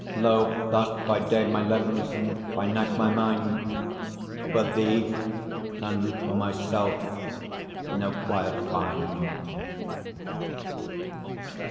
Lo! thus, by day my limbs, by night my mind, For thee, and for myself, no quiet find.